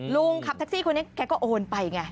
ลุงขับแท็กซี่คนนี้แกก็โอนไปไง